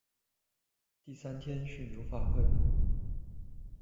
第三天是牛法会。